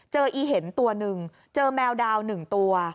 อีเห็นตัวหนึ่งเจอแมวดาว๑ตัว